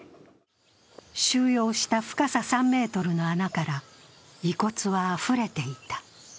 収容した深さ３ｍの穴から遺骨はあふれていた。